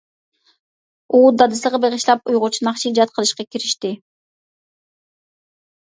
ئۇ، دادىسىغا بېغىشلاپ، ئۇيغۇرچە ناخشا ئىجاد قىلىشقا كىرىشتى.